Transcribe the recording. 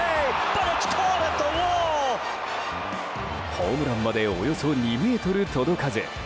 ホームランまでおよそ２ｍ届かず。